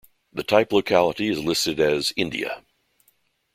The type locality is listed as "India".